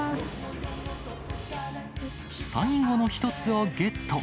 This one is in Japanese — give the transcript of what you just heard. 最後の１つをゲット。